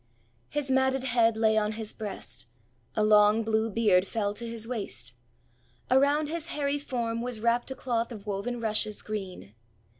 His matted head lay on his breast. A long blue beard fell to his waist. Around his hairy form was wrapped a cloth of woven rushes green.